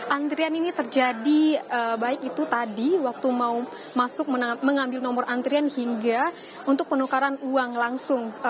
antrian ini terjadi baik itu tadi waktu mau masuk mengambil nomor antrian hingga untuk penukaran uang langsung